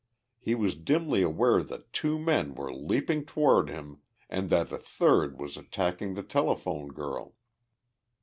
He was dimly aware that two men were leaping toward him and that a third was attacking the telephone girl.